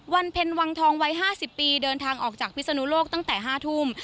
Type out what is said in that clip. วันเพ็ญวังทองวัย๕๐ปีเดินทางออกจากพิศนุโลกตั้งแต่๕ทุ่ม